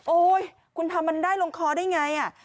โอ๊ยคุณทำมันได้ลงคอได้อย่างไร